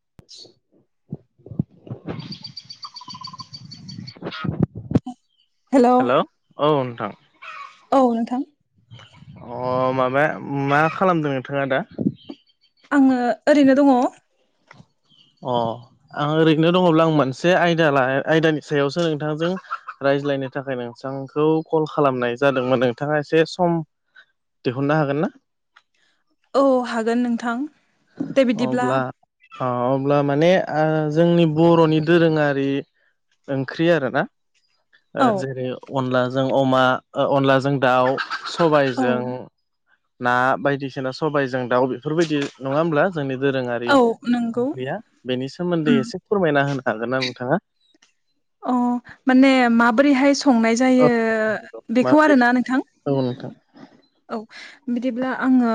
[inaudible] Hello औ नोंथां औ नोंथां अ माबा मा खालामदों नोंथाङा दा आङो ओरैनो दङ अ आं ओरैनो दङब्ला आं मोनसे आयदा लाना आयदानि सायावसो नोंथांजों रायज्लायनो थाखाय नोंथांखौ कल खालामनाय जादोंमोन नोंथाङा एसे सम दिहुननो हागोन ना? औ हागोन नोंथां दे बिदिब्ला अब्ला अ अब्ला माने ओ जोंनि बर'नि दोरोङारि ओंख्रि आरोना औ जेरै अनलाजों अमा अनलाजों दाउ औ सबायजों ना बायदिसिना सबाइजों दाउ बेफोरबायदि नङा होमब्ला जोंनि दोरोङारि औ नंगौ ओंख्रिया बेनि सोमोन्दै उम एसे फोरमायना होनो हागोन ना नोंथाङा? अ माने माबोरैहाय संनाय औ जायो नंगौ। बेखौ माबोरै आरोना नोंथां औ नोंथां औ बिदिब्ला आङो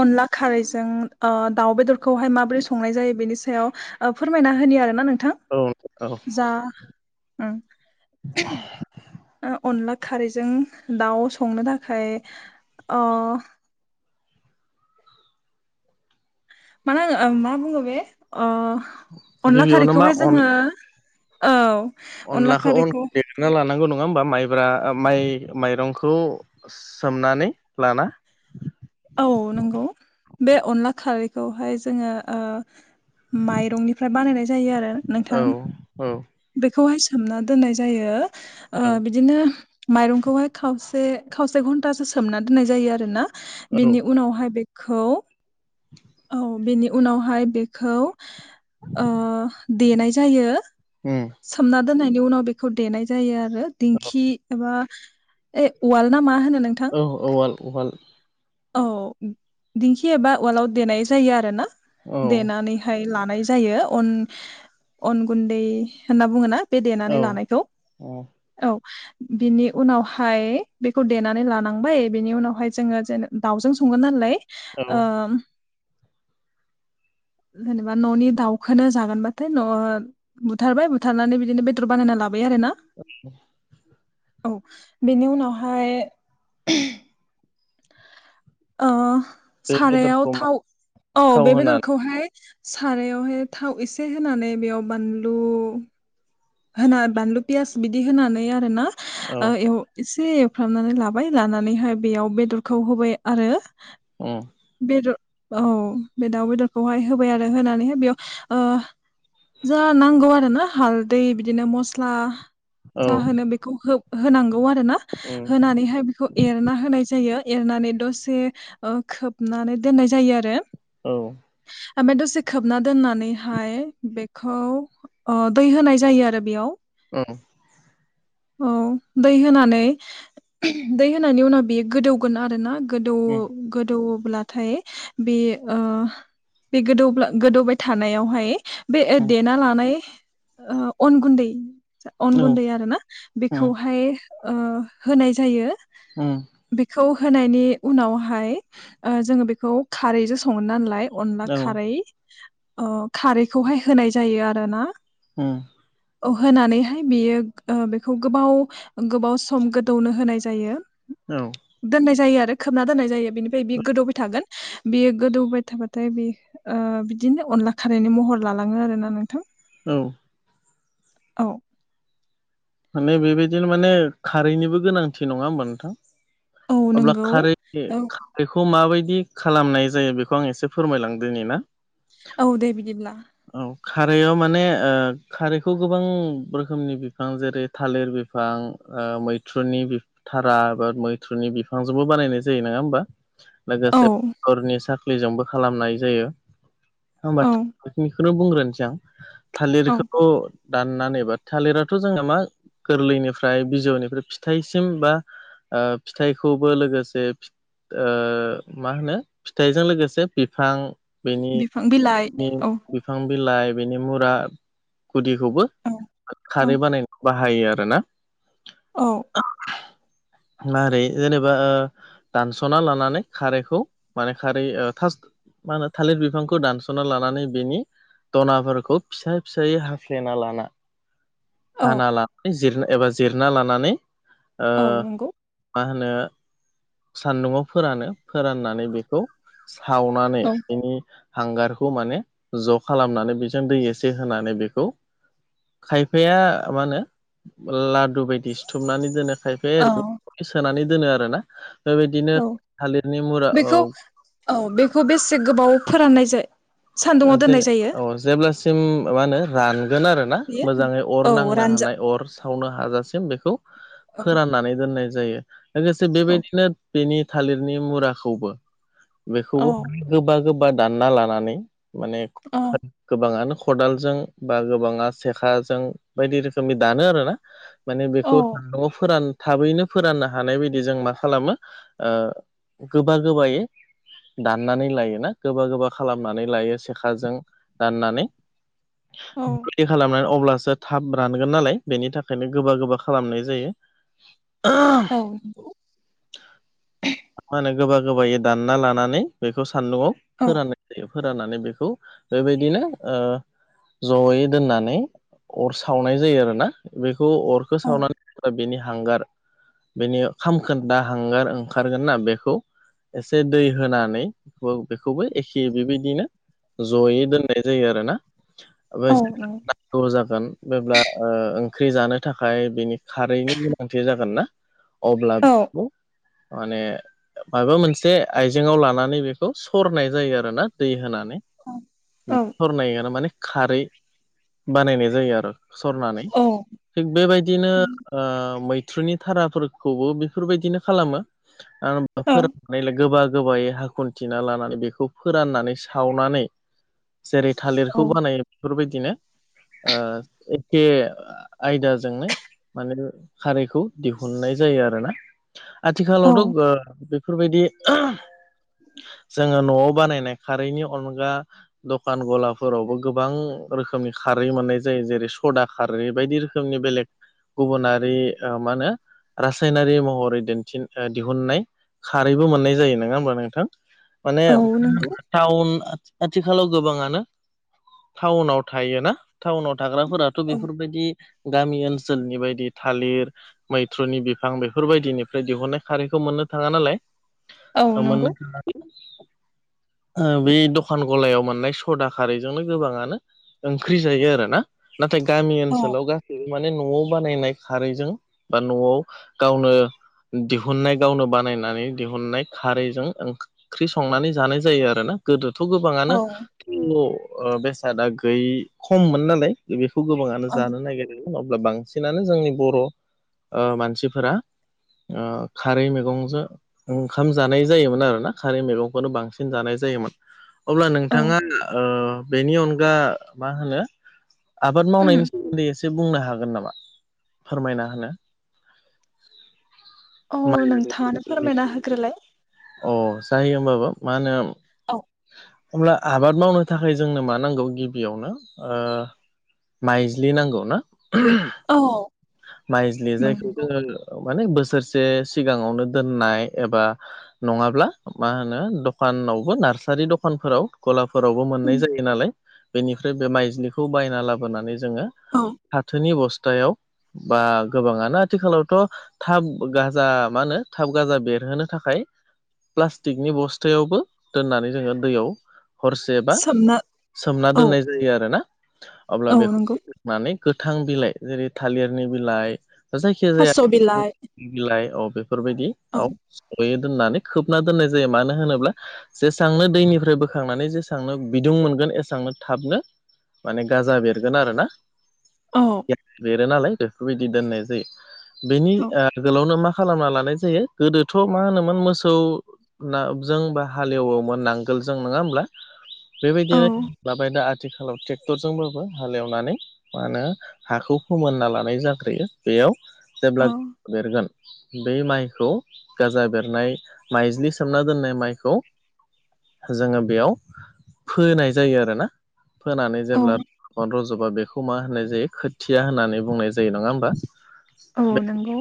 अनला खारैजों अ दाउ बेदरखौहाय माबोरै संनाय जायो बेनि सायाव फोरमायना होनि आरोना नोंथां औ औ जा ओं ओ अनला खारैजों दाउ संनो थाखाय [unintelligible] मा बुङो बे अनला गिबियावनो मा खारैखौहाय अन जोङो औ अनला खारैखौ ना लानांगौ नङा होमबा माइब्रा माइ माइरंखौ सोमनानै लाना औ नंगौ बे अनला खारैखौहाय जोङो माइरंनिफ्राय बानायनाय जायो आरो नोंथां औ औ बेखौहाय सोमना दोननाय जायो औ बिदिनो माइरंखौहाय खावसे खावसे घन्टासो सोमना दोननाय जायो आरो ना औ बिनि उनावहाय बे खौ औ बेनि उनावहाय बेखौ ओ देनाय जायो ओम सोमना दोननायनि उनाव बेखौ देनाय जायो आरो दिंखि एबा ए उवाल ना मा होनो नोंथां औ औ उवाल अवाल औ दिंखि एबा उवालाव देनाय जायो आरो ना औ देनानै हाय लानाय जायो अन अन गुन्दै होनना बुङोना बे देनानै औ लानायखौ औ औ बिनि उनावहाय बेखौ देनानै लानांबाय बिनि उनावहाय जोङो जेनबा दाउजों सङो नालाय औ ओ [unintelligible] जेनेबा न'नि दाउखोनो जागोनबाथाय न' ओ बुथारबाय बुथारनानै बिदिनो बेदर बानायना लाबाय आरो ना औ औ बेनि उनावहाय ओ बे सारायाव बेदरखौ मा थाव औ थाव बे होनानै बेदरखौहाय सारायावहाय थाव एसे होनानै बेयाव बानलु होना बानलु पियास बिदि होनानै आरो ना औ ओ एव एसे एवफ्रामनानै लाबाय लानानैहाय बेयाव बेदरखौ होबाय आरो ओम बे औ बे दाउ बेदरखौहाय होबाय आरो होनानैहाय बेयाव जा नांगौ आरो ना हालदै बिदिनो मस्ला औ जा होनोनो बेखौ होनांगौ आरो ना उम होनानैहाय बेखौ एरना होनाय जायो एरनानै दसे ओ खोबनानै दोननाय जायो आरो औ ओमफ्राय दसे खोबना दोननानैहाय बेखौ दै होनाय जायो आरो बेयाव औ औ दै होनानै दै होनायनि उनाव बेयो गोदौगोन आरोना गोदौ उम गोदौओब्लाथाय बे आ बे गोदौ गोदौबाय थानायावहाय बे औ देना लानाय अन गुन्दै अन उम गुन्दै आरोना बेखौ हाय ओ होनाय जायो ओम बेखौ होनायनि उनावहाय ओ जोङो बेखौ खारैजों सङो नालाय अनला औ खारै अ खारैखौहाय होनाय जायो आरो ना ओं औ होनानैहाय बेयो ओ बेखौ गोबाव गोबाव सम गोदौनो होनाय जायो औ दोननाय जायो आरो खोबना दोननाय जायो बेनिफ्राय बियो गोदौबाय थागोन बियो गोदौबाय थाबाथाय बे ओ बिदिनो अनला खारैनि महर लालाङो आरोना नोंथां औ औ माने बेबायदिनो माने खारैनिबो गोनांथि नङा होमबा नोंथां औ अब्ला नंगौ खारै औ बेखौ माबायदि खालामनाय जायो बेखौ आं एसे फोरमायलांदोनि ना औ दे बिदिब्ला औ खारायाव माने खारैखौ गोबां रोखोमनि बिफां जे रै थालिर बिफां मैथ्रुनि धारा एबा मैथ्रुनि बिफांजोंबो बानायनाय जायो नङा होमबा औ लोगोसेनो साख्लिजोंबो खालामनाय जायो औ होमबाथ बेखौनो बुंग्रोनोसै आं औ थालिरखौ दाननानै बा थालिराथ' जोंना मा गोरलैनिफ्राय बिजौनिफ्राय फिथाइसिम बा आ फिथाइखौबो लोगोसे ओ मा होनो फिथाइजों लोगोसे बिफां बेनि बिफां बिलाइ औ बिफां बिलाइ बिनि मुरा गुदिखौबो औ औ खारै बानायनो बाहायो आरोना औ मोरै जेनेबा दानस'ना लानानै खारैखौ माने खारै थास मा होनो थालिर बिफांखौ दानस'ना लानानै बेनि दनाफोरखौ फिसा फिसायै हाफ्लेना लाना औ हाना लानानै जिर एबा जिरना लानानै ओ औ नंगौ मा होनो सान्दुंआव फोरानो फोराननानै बेखौ सावनानै औ बेनि हांगारखौ माने ज' खालामनानै बेजों दै एसे होनानै बेखौ खायफाया मा होनो लादु बायदि सिथुमनानै दोनो खायफाया औ ओरैनो सोनानै दोनो आरोना बेबायदिनो औ थालिरनि मुरा औ बेखौ औ बेखौ बेसे गोबाव फोराननाय जा सान्दुङाव जेन दोननाय जायो? औ जेब्लासिम मा होनो रानगोन आरोना बेयो मोजाङै अर औ नांनो रानजा हानाय अर सावनो हाजासिम बेखौ औ फोराननानै दोननाय जायो लोगोसे औ बेबायदिनो बेनि थालिरनि मुराखौबो औ बेखौबो गोबा गोबा दानना लानानै माने औ खो गोबाङानो खदालजों बा गोबाङा सेखाजों बायदि रोखोमनि दानो आरोना माने बेखौ सान्दुआव फोरान थाबैनो फोराननो हानाय बायदि जों मा खालामो ओ गोबा गोबायै दाननानै लायो ना गोबा गोबा खालामनानै लायो। सेखाजों दाननानै औ [unintelligible] खालामनानै अब्लासो थाब रानगोन नालाय बेनि थाखायनो गोबा गोबा खालामनाय जायो। औ मा होनो गोबा गोबायै दानना लानानै बेखौ सान्दुंआव औ फोराननाय जायो फोराननानै बेखौ बेबायदिनो ओ जयै दोननानै अर सावनाय जायो आरोना। बेखौ अरखौ औ सावनानै बा बेनि हांगार बेनि खामखोन्दा हांगार ओंखारगोनना बेखौ एसे दै होनानै बेखौबो एखे बेबायदिनो जयै दोननाय जायो आरोना [unintelligible] औ नंगौ द जागोन बेब्ला ओ ओंख्रि जानो थाखाय बेनि खारैनि गोनांथि जागोन ना औ अब्लाबो बेखौ माने माबा मोनसे आइजेङाव लानानै बेखौ सरनाय जायो आरो ना दै होनानै औ सरनाया माने खारै बानायनाय जायो आरो। सरनानै थिग बेबायदिनो ओ मैथ्रुनि थाराफोरखौबो बेफोरबायदिनो खालामो। औ [unintelligible] गोबां गोबायै हाखुथिना लानानै बेखौ फोराननानै सावनानै जेरै थालिरखौ बानायो बेफोरबायदिनो ओ एखे आयदाजोंनो माने खारैखौ दिहुननाय जायो आरोना औ आथिखालावथ' बेफोरबायदि जोङो न'वाव बानायनाय खारैनि अनगा दखान गलाफोरावबो गोबां रोखोमनि खारै मोननाय जायो जेरै सदा खारै बायदि बेलेग गुबुनारि मा होनो रासायनारि महरै दिन्थि दिहुननाय खारैबो मोननाय जायो नङा ओमबा नोंथां माने औ नंगौ टाउन आथिखालाव गोबाङानो टाउनाव थायो ना टाउनाव थाग्राफोराथ' औ बेफोरबायदि गामि ओनसोलनि बायदि थालिर मैथ्रुनि बिफां बेफोरबायदिनिफ्राय दिहुननाय खारैखौ मोननो थाङा नालाय औ नंगौ [unintelligible] ओ बे द खान गलायाव मोननाय सदा खारैजोंनो गोबाङानो ओंख्रि जायो आरोना? नाथाय गामि औ ओनसोलाव गासैबो माने न'आव बानायनाय खारैजों बा न'आव गावनो दिहुननाय गावनो बानायनानै दिहुननाय खारैजों ओंख्रि संनानै जानाय जायो आरो ना गोदो थ' गोबाङानो औ थ' बेसादा गैयै खममोन नालाय बेखौ गोबाङानो औ जानो नागिरदोंमोन अब्ला बांसिनानो जोंनि बर' मानसिफोरा खारै मैगंजों ओंखाम जानाय जायोमोन आरोना खारै मैगंखौनो बांसिन जानाय जायोमोन। अब्ला औ नोंथाङा बेनि अनगा मा होनो आबाद उम मावनायनि सोमोन्दै एसे बुंनो हागोन नामा फोरमायना होनो औ माइ नोंथाङानो फोरमायना होग्रोलाय अ जायो होमबाबो मा होनो औ अब्ला आबाद मावनो थाखाय जोंनो मा नांगौ गिबियावनो माइज्लि नांगौ ना औ माइज्लि जायखौ नंगौ जोङो माने बोसोरसे सिगाङावनो दोननाय एबा नङाब्ला मा होनो दखानावबो नारसि सारि दखानफोराव गलाफोरावबो मोननाय जायो नालाय बेनिफ्राय बे माइज्लिखौ बायना लाबोनानै जोङो औ फाथोनि अबस्थायाव बा गोबाङानो आथिखालावथ' थाब गाजा मा होनो थाब गाजा बेरहोनो थाखाय प्लास्टिकनि बस्थायावबो दोननानै जोङो दैयाव हरसे बा सोमना सोमना औ दोननाय जायो आरो ना अब्ला औ नंगौ बेखौ नानै गोथां बिलाइ जेरै थालिरनि बिलाइ जायखिया जाया थास' बिलाइ बिलाइ औ बेफोरबायदि औ सयो दोननानै खोबना दोननाय जायो मानो होनोब्ला जे एसेबांनो दैनिफ्राय बोखांनानै जेसेबांनो बिदुं मोनगोन एसेबांनो थाबनो माने गाजा बेरगोन आरो ना औ बेरो नालाय बेफोरबायदि दोननाय जायो बेनि औ आगोलावनो मा खालामना लानाय जायो गोदोथ' मा होनोमोन मोसौ नाजों बा हालेवोमोन नांगोल जों नङा होमब्ला औ बेबायदिनो लाबाय दा आथिखालाव ट्रेक्टरजोंबाबो हालेवनानै मा होनो हाखौ फोमोनना लानाय जाग्रोयो बेयाव औ जेब्ला देरगोन बै माइखौ गाजा बेरनाय माइज्लि सोमना दोननाय माइखौ जोङो बेयाव फोनाय जायो आरोना फोनानै औ जेब्ला रज'बा बेखौ मा होननाय जायो खोथिया होननानै बुंनाय जायो नङा होमबा औ नोंगौ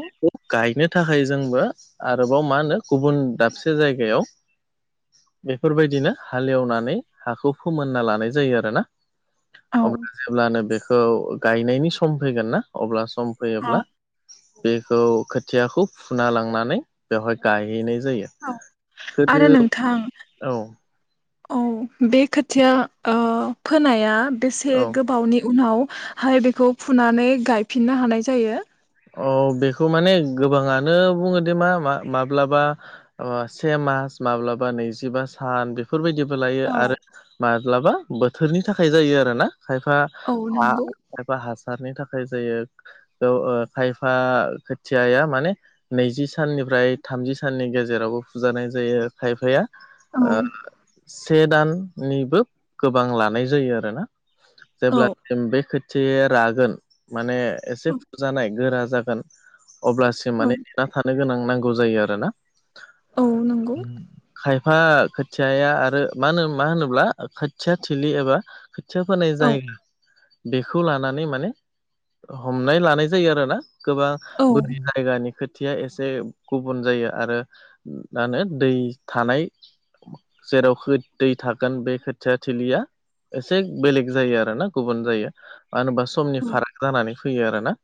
गायनो थाखाय जोंबो आरोबाव मा होनो गुबुन दाबसे जायगायाव बेफोरबायदिनो हालेवनानै हाखौ फोमोनना लानाय जायो आरोना औ अब्ला जेब्लानो बेखौ गायनायनि सम फैगोन ना अब्ला सम औ फैयोब्ला बेखौ खोथियाखौ फुना लांनानै बेवहाय गायहैनाय जायो औ गोदो आरो नोंथां औ औ बे खोथिया फोनाया बेसे औ गोबावनि उनावहाय बेखौ फुनानै गायफिननो हानाय जायो औ बेखौ माने गोबाङानो बुङो दे मा माब्लाबा से मास माब्लाबा नैजिबा सान बेफोरबायदिबो लायो आरो औ माब्लाबा बोथोरनि थाखाय जायो आरो ना खायफा हा नंगौ एबा हासारनि थाखाय जायो खायफा खोथियाया माने नैजि साननिफ्राय थामजि साननि गेजेरावबो फुजानाय जायो खायफाया औ से दाननिबो गोबां लानाय जायो आरोना औ जेब्लासिम बे खोथियाया रागोन माने एसे फुजानाय गोरा जागोन अब्लासिम औ माने नेना थानो गोनां नांगौ जायो आरोना औ नंगौ खायफा खोथियाया आरो मा होनो मा होनोब्ला खोथिया थिलि एबा खोथिया फोनाय औ जायगा बेखौ लानानै माने हमनाय लानाय जायो आरोना गोबां औ बोरि जायगानि खोथि थिया एसे गुबुन जायो आरो मा होनो दै थानाय जेराव दै थागोन बे खोथिया थिलिया एसे बेलेग जायो आरो ना गुबुन जायो मानो होनोबा समनि औ फाराग जानानै फैयो आरो ना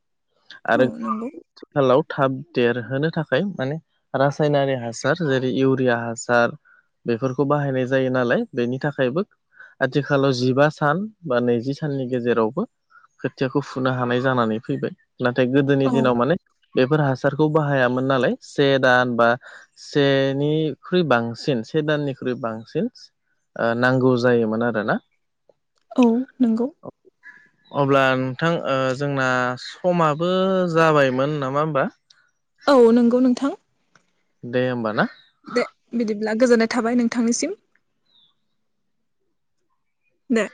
आरो औ नंगौ आथिखालाव थाब देरहोनो थाखाय माने रासायनारि हासार जेरै इउरिया हासार बेफोरखौ बाहायनाय जायो नालाय बेनि थाखायबो आथिखालाव जिबा सान बा नैजि साननि गेजेरावबो खोथियाखौ फुनो हानाय जानानै फैबाय नाथाय औ गोदोनि दिनाव माने बेफोर हासारखौ बाहायामोन नालाय से दान बा सेनिख्रुइ बांसिन से दाननिख्रुइ बांसिन ओ नांगौ जायोमोन आरो ना औ नंगौ अब्ला नोंथां जोंना समाबो जाबायमोन नामा होमबा औ नंगौ नोंथां दे होमबा ना दे बिदिब्ला गोजोननाय थाबाय नोंथांनिसिम दे